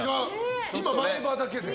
今、前歯だけで。